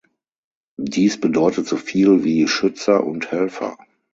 Dies bedeutet so viel wie Schützer und Helfer.